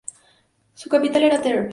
Su capital era Tver.